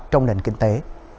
trong nền kinh tế